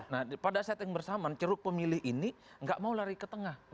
nah pada setting bersamaan ceruk pemilih ini nggak mau lari ke tengah